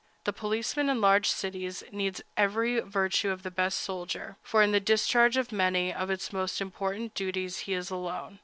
The policeman in large cities needs every virtue of the best soldier, for in the discharge of many of his most important duties he is alone.